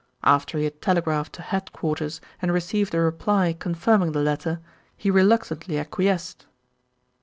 After he had telegraphed to head quarters and received a reply confirming the letter, he reluctantly acquiesced."